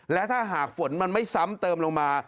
และถ้าหากฝนมันไม่ซ้ำเติมลงมา